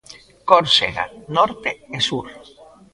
Córsega: Norte e sur.